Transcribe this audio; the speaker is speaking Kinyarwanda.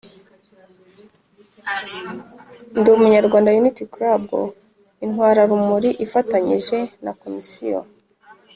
Ndi umunyarwanda unity club intwararumuri ifatanyije na komisiyo